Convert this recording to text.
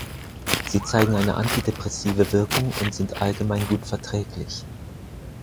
Sie zeigen eine antidepressive Wirkung und sind allgemein gut verträglich.